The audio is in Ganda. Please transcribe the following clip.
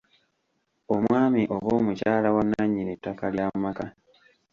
Omwami oba omukyala wa nannyini ttaka ly’amaka.